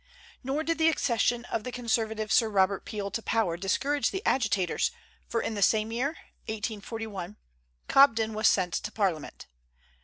Nor did the accession of the conservative Sir Robert Peel to power discourage the agitators, for in the same year (1841) Cobden was sent to Parliament.